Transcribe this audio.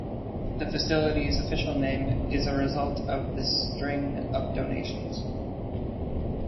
The facility's official name is a result of this string of donations.